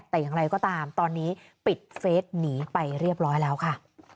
แต่อย่างไรก็ตามตอนนี้ปิดเฟสหนีไปเรียบร้อยแล้วค่ะ